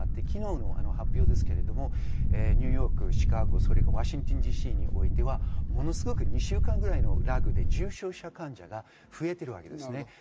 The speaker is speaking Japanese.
昨日の発表ですが、ニューヨーク、シカゴ、ワシントンＤＣにおいては、ものすごく２週間ぐらいのラグで重症者患者が増えています。